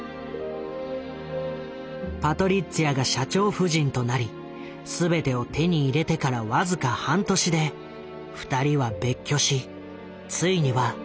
パトリッツィアが社長夫人となり全てを手に入れてから僅か半年で２人は別居しついには離婚した。